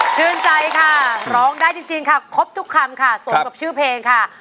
ชื่นใจค่ะร้องได้จริงค่ะครบทุกคำค่ะสมกับชื่อเพลงค่ะ